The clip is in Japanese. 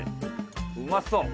うまそう！